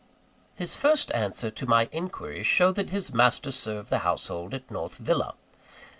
His first answer to my inquiries, showed that his master served the household at North Villa.